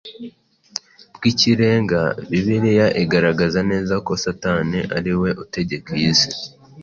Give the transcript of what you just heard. bwikirenga. Bibiliya igaragaza neza ko Satani ari we utegeka iyi si;